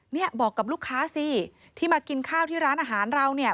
เนี่ยบอกกับลูกค้าสิที่มากินข้าวที่ร้านอาหารเราเนี่ย